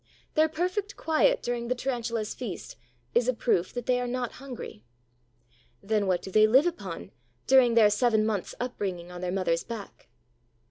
Their perfect quiet during the Tarantula's feast is a proof that they are not hungry. Then what do they live upon, during their seven months' upbringing on the mother's back?